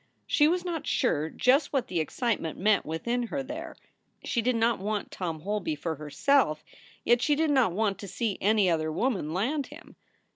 She was not sure just what the excitement meant within her there. She did not want Tom Holby for herself, yet she did not want to see any other woman land him.